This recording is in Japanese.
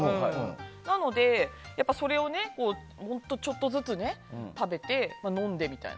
なのでそれをちょっとずつ食べて飲んでみたいな。